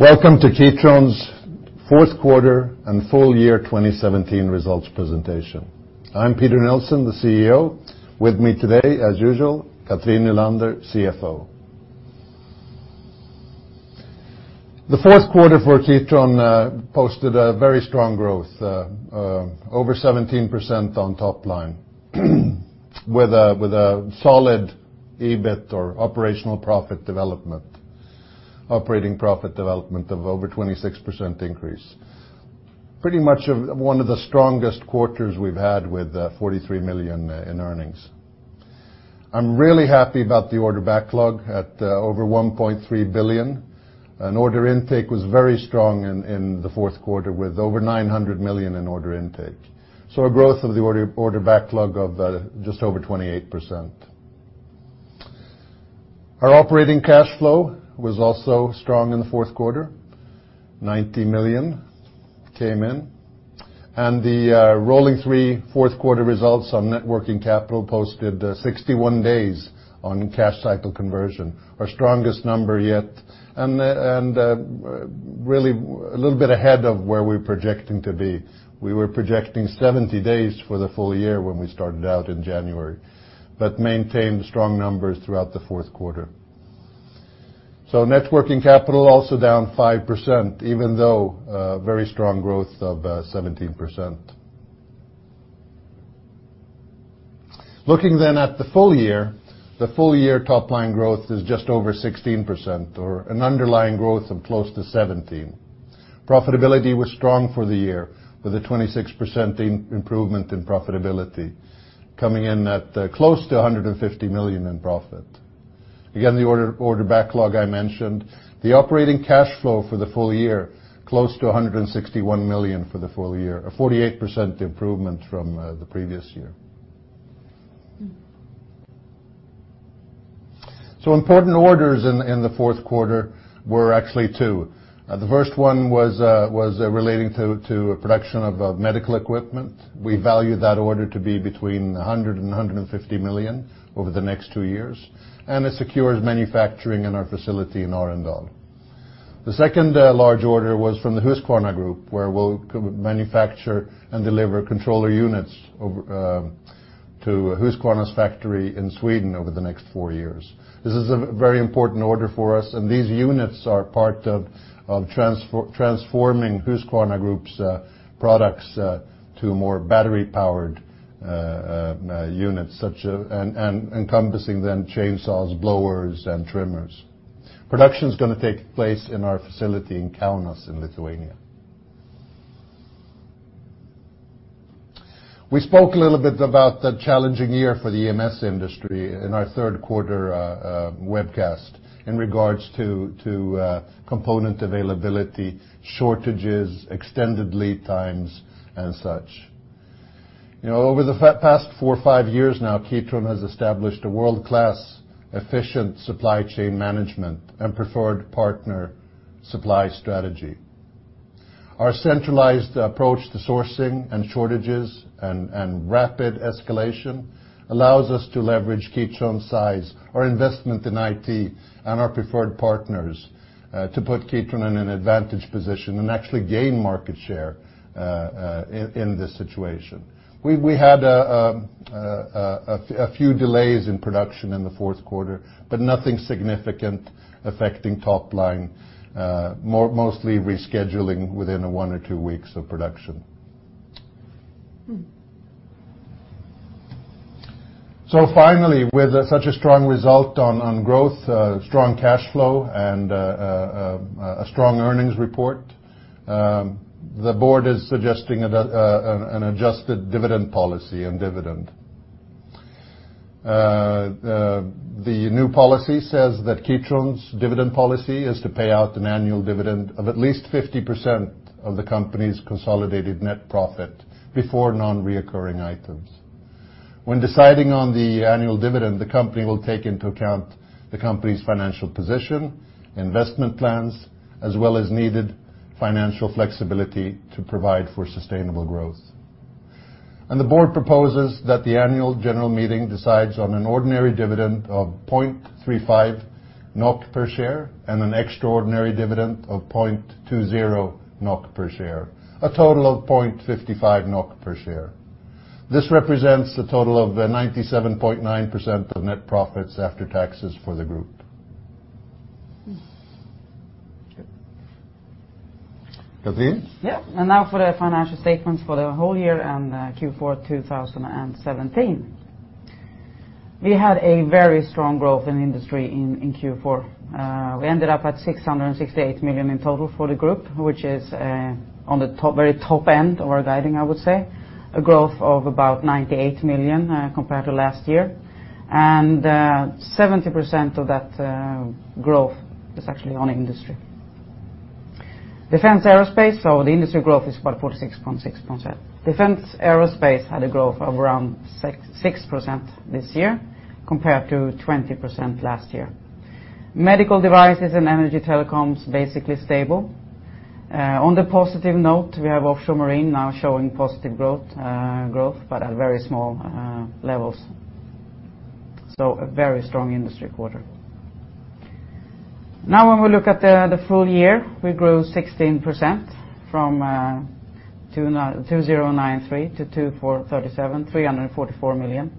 Welcome to Kitron's fourth quarter and full year 2017 results presentation. I'm Peter Nilsson, the CEO. With me today, as usual, Cathrin Nylander, CFO. The fourth quarter for Kitron posted a very strong growth over 17% on top line. With a solid EBIT or operational profit development. Operating profit development of over 26% increase. Pretty much one of the strongest quarters we've had with 43 million in earnings. I'm really happy about the order backlog at over 1.3 billion, and order intake was very strong in the fourth quarter with over 900 million in order intake. A growth of the order backlog of just over 28%. Our operating cash flow was also strong in the fourth quarter. 90 million came in. The rolling three fourth quarter results on net working capital posted 61 days on cash conversion cycle, our strongest number yet. Really a little bit ahead of where we're projecting to be. We were projecting 70 days for the full year when we started out in January, but maintained strong numbers throughout the fourth quarter. Net working capital also down 5%, even though very strong growth of 17%. Looking at the full year, the full year top line growth is just over 16% or an underlying growth of close to 17%. Profitability was strong for the year with a 26% improvement in profitability, coming in at close to 150 million in profit. Again, the order backlog I mentioned. The operating cash flow for the full year, close to 161 million for the full year, a 48% improvement from the previous year. Mm. Important orders in the fourth quarter were actually two. The first one was relating to a production of medical equipment. We value that order to be between 100 million and 150 million over the next two years, and it secures manufacturing in our facility in Arendal. The second large order was from the Husqvarna Group, where we'll manufacture and deliver controller units over to Husqvarna's factory in Sweden over the next four years. This is a very important order for us, and these units are part of transforming Husqvarna Group's products to more battery-powered units such as, and encompassing then chainsaws, blowers, and trimmers. Production's gonna take place in our facility in Kaunas in Lithuania. We spoke a little bit about the challenging year for the EMS industry in our third quarter webcast in regards to component availability, shortages, extended lead times, and such. You know, over the past four or five years now, Kitron has established a world-class efficient supply chain management and preferred partner supply strategy. Our centralized approach to sourcing and shortages and rapid escalation allows us to leverage Kitron's size, our investment in IT, and our preferred partners to put Kitron in an advantage position and actually gain market share in this situation. We had a few delays in production in the fourth quarter, but nothing significant affecting top line, mostly rescheduling within one or two weeks of production. Mm. Finally, with such a strong result on growth, strong cash flow, and a strong earnings report, the board is suggesting an adjusted dividend policy and dividend. The new policy says that Kitron's dividend policy is to pay out an annual dividend of at least 50% of the company's consolidated net profit before non-recurring items. When deciding on the annual dividend, the company will take into account the company's financial position, investment plans, as well as needed financial flexibility to provide for sustainable growth. The board proposes that the annual general meeting decides on an ordinary dividend of 0.35 NOK per share and an extraordinary dividend of 0.20 NOK per share, a total of 0.55 NOK per share. This represents a total of 97.9% of net profits after taxes for the group. Mm. Okay. Cathrin? Now for the financial statements for the whole year and Q4 2017. We had a very strong growth in industry in Q4. We ended up at 668 million in total for the group, which is on the top, very top end of our guiding, I would say, a growth of about 98 million compared to last year. 70% of that growth is actually on industry. Defense & Aerospace, so the industry growth is about 46.6%. Defense & Aerospace had a growth of around 6% this year compared to 20% last year. Medical devices and Energy & Telecoms, basically stable. On the positive note, we have Offshore & Marine now showing positive growth but at very small levels. A very strong industry quarter. When we look at the full year, we grew 16% from 2,093-2,437, NOK 344 million.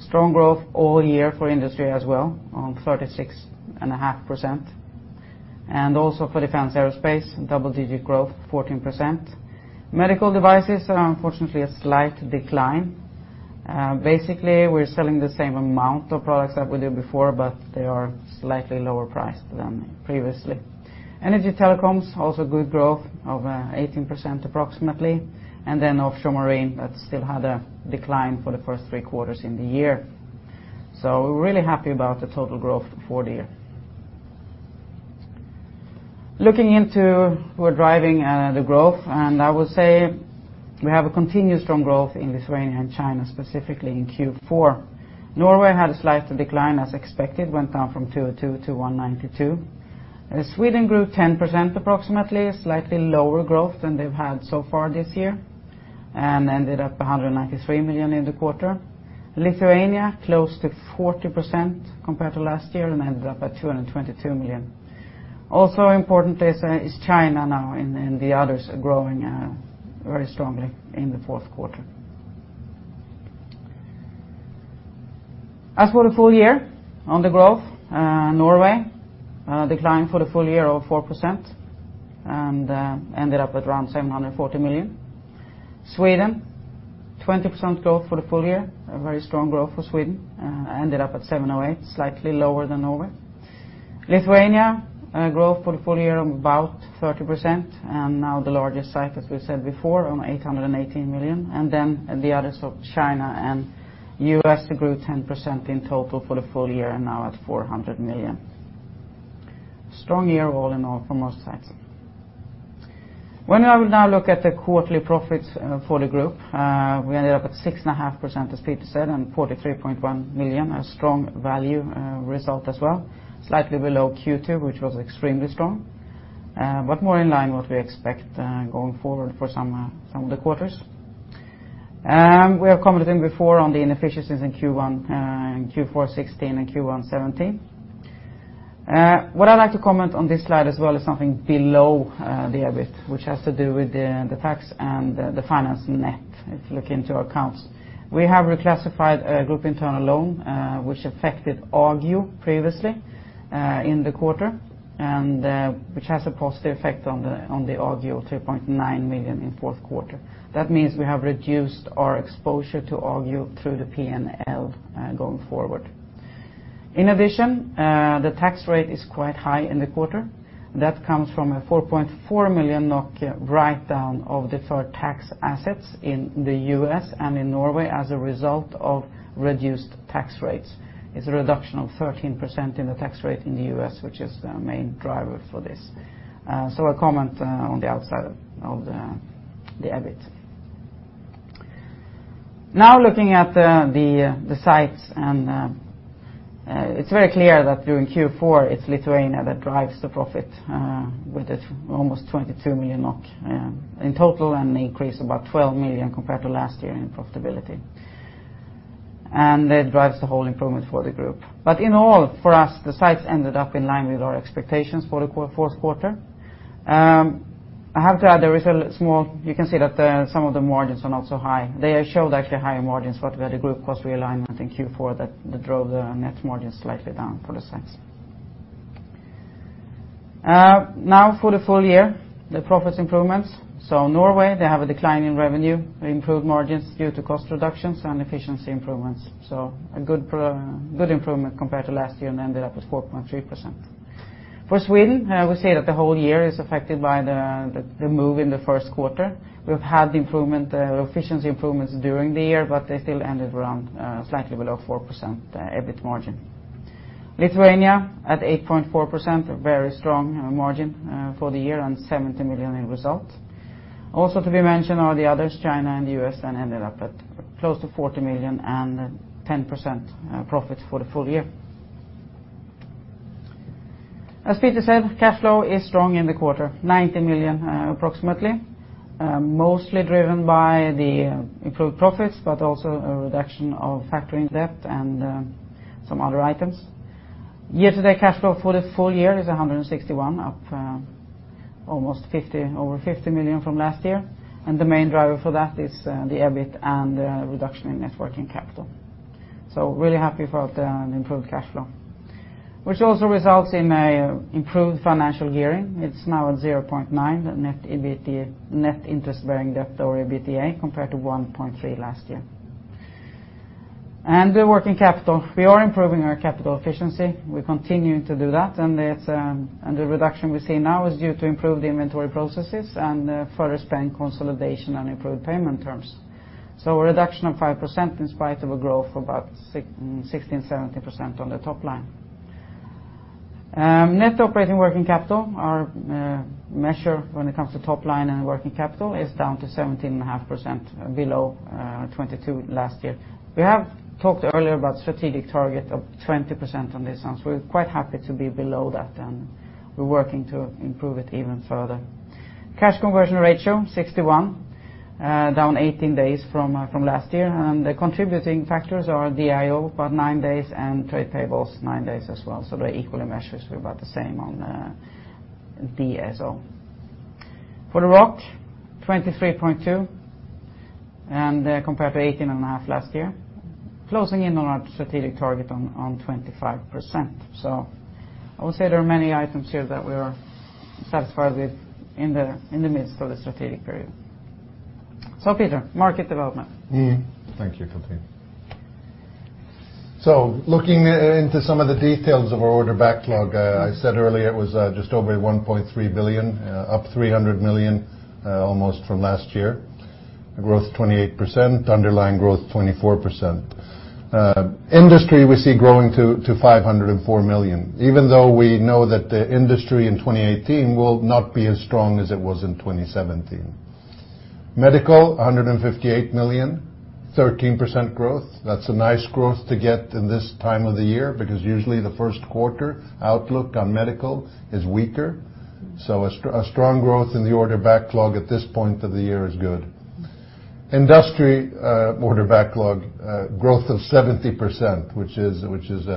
Strong growth all year for industry as well, 36.5%. Also for Defense & Aerospace, double-digit growth, 14%. Medical devices are unfortunately a slight decline. Basically, we're selling the same amount of products that we did before, but they are slightly lower priced than previously. Energy & Telecoms, also good growth of 18% approximately. Offshore & Marine, that still had a decline for the first three quarters in the year. We're really happy about the total growth for the full year. Looking into we're driving the growth, I will say we have a continuous strong growth in Lithuania and China, specifically in Q4. Norway had a slight decline as expected, went down from 202 million to 192 million. Sweden grew 10% approximately, slightly lower growth than they've had so far this year, and ended up 193 million in the quarter. Lithuania, close to 40% compared to last year, and ended up at 222 million. Also importantly is China now and the others are growing very strongly in the fourth quarter. As for the full year on the growth, Norway declined for the full year over 4% and ended up at around 740 million. Sweden, 20% growth for the full year, a very strong growth for Sweden, ended up at 708 million, slightly lower than Norway. Lithuania, growth for the full year of about 30%, and now the largest site, as we said before, on 818 million. The others of China and US grew 10% in total for the full year and now at 400 million. Strong year all in all for most sites. When I will now look at the quarterly profits for the group, we ended up at 6.5%, as Peter said, and 43.1 million, a strong value result as well. Slightly below Q2, which was extremely strong, but more in line what we expect going forward for some of the quarters. We have commented in before on the inefficiencies in Q1, in Q4 2016 and Q1 2017. What I'd like to comment on this slide as well is something below the EBIT, which has to do with the tax and the finance net, if you look into our accounts. We have reclassified a group internal loan, which affected Agio previously in the quarter, and which has a positive effect on the Agio 3.9 million in fourth quarter. That means we have reduced our exposure to Agio through the P&L going forward. The tax rate is quite high in the quarter. That comes from a 4.4 million write-down of deferred tax assets in the U.S. and in Norway as a result of reduced tax rates. It's a reduction of 13% in the tax rate in the U.S., which is the main driver for this. A comment on the outside of the EBIT. Looking at the sites, it's very clear that during Q4, it's Lithuania that drives the profit with its almost 22 million NOK in total, and an increase of about 12 million compared to last year in profitability. That drives the whole improvement for the group. In all, for us, the sites ended up in line with our expectations for the fourth quarter. I have to add. You can see that some of the margins are not so high. They showed actually higher margins, but we had a group cost realignment in Q4 that drove the net margin slightly down for the sites. For the full year, the profits improvements. Norway, they have a decline in revenue, improved margins due to cost reductions and efficiency improvements. A good improvement compared to last year and ended up with 4.3%. Sweden, I will say that the whole year is affected by the move in the first quarter. We've had improvement, efficiency improvements during the year, but they still ended around slightly below 4% EBIT margin. Lithuania at 8.4%, a very strong margin for the year and 70 million in results. To be mentioned are the others, China and U.S., and ended up at close to 40 million and 10% profits for the full year. As Peter said, cash flow is strong in the quarter, 90 million approximately mostly driven by the improved profits, but also a reduction of factoring debt and some other items. Year-to-date cash flow for the full year is 161, up almost 50 million, over 50 million from last year. The main driver for that is the EBIT and reduction in net working capital. really happy about the improved cash flow, which also results in a improved financial gearing. It's now at 0.9, the net interest-bearing debt or EBITDA, compared to 1.3 last year. The working capital, we are improving our capital efficiency. We're continuing to do that, and it's and the reduction we see now is due to improved inventory processes and further spend consolidation and improved payment terms. A reduction of 5% in spite of a growth of about 16%-17% on the top line. Net operating working capital, our measure when it comes to top line and working capital, is down to 17.5%, below 22% last year. We have talked earlier about strategic target of 20% on this, we're quite happy to be below that, and we're working to improve it even further. Cash conversion ratio, 61%. Down 18 days from last year. The contributing factors are DIO, about 9 days, and trade payables, 9 days as well. They're equally measured. About the same on DSO. For the ROC, 23.2%, compared to 18.5% last year. Closing in on our strategic target on 25%. I would say there are many items here that we are satisfied with in the midst of the strategic period. Peter, market development. Thank you, Cathrin. Looking into some of the details of our order backlog, I said earlier it was just over 1.3 billion, up 300 million almost from last year. Growth 28%, underlying growth 24%. Industry we see growing to 504 million, even though we know that the industry in 2018 will not be as strong as it was in 2017. Medical, 158 million, 13% growth. That's a nice growth to get in this time of the year, because usually the first quarter outlook on medical is weaker. A strong growth in the order backlog at this point of the year is good. Industry order backlog growth of 70%, which is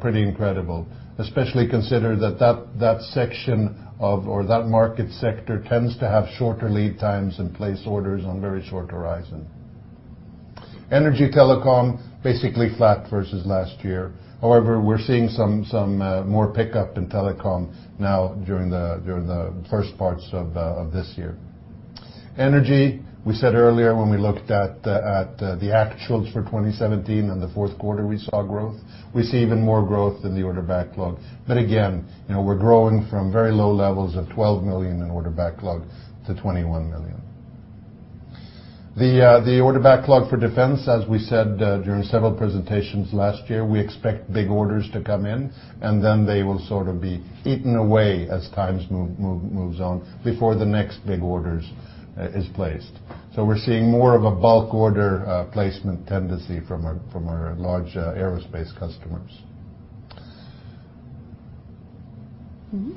pretty incredible, especially consider that section of or that market sector tends to have shorter lead times and place orders on very short horizon. Energy & Telecoms basically flat versus last year. However, we're seeing some more pickup in telecom now during the first parts of this year. Energy, we said earlier when we looked at the actuals for 2017, in the fourth quarter we saw growth. We see even more growth in the order backlog. Again, you know, we're growing from very low levels of 12 million in order backlog to 21 million. The order backlog for defense, as we said, during several presentations last year, we expect big orders to come in and then they will sort of be eaten away as times moves on before the next big orders is placed. We're seeing more of a bulk order placement tendency from our large aerospace customers. Mm-hmm.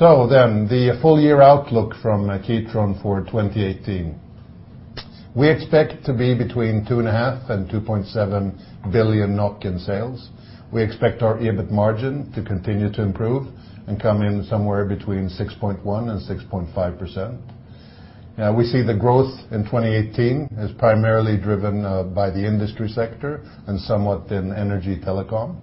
The full year outlook from Kitron for 2018. We expect to be between 2.5 billion and 2.7 billion NOK in sales. We expect our EBIT margin to continue to improve and come in somewhere between 6.1% and 6.5%. We see the growth in 2018 is primarily driven by the industry sector and somewhat in Energy Telecom.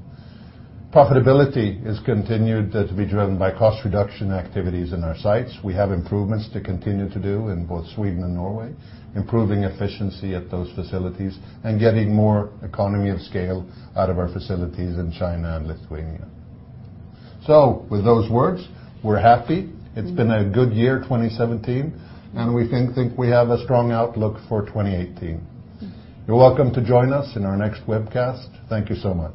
Profitability is continued to be driven by cost reduction activities in our sites. We have improvements to continue to do in both Sweden and Norway, improving efficiency at those facilities and getting more economy of scale out of our facilities in China and Lithuania. With those words, we're happy. It's been a good year, 2017, and we think we have a strong outlook for 2018. You're welcome to join us in our next webcast. Thank you so much.